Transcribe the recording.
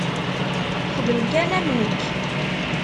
Xdem kan am nekk.